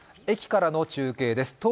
駅からの中継です。